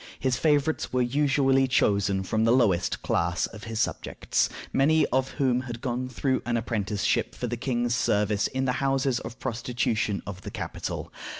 His favorites were usually chosen from the lowest class of his subjects, many of whom had gone through an apprenticeship for the king's service in the houses of prostitution of the capital.